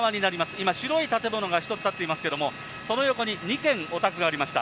今、白い建物が１つ建っていますけれども、その横に２軒、お宅がありました。